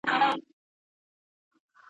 په خزان او په بهار کي بیرته تله دي `